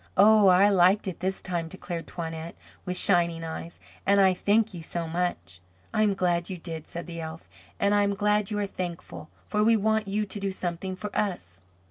"Oh, I liked it this time," declared Toinette, with shining eyes, "and I thank you so much." "I'm glad you did," said the elf. "And I'm glad you are thankful, for we want you to do something for us."